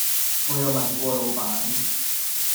我有問過老闆